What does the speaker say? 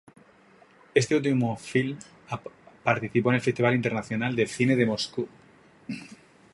Este último film participó en el Festival Internacional de Cine de Moscú.